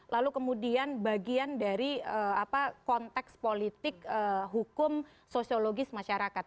lalu kemudian bagian dari konteks politik hukum sosiologis masyarakat